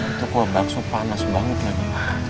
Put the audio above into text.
itu kerobak bakso panas banget